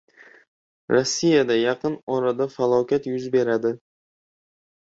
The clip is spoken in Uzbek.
Rossiyada yaqin orada falokat yuz beradi — ekspert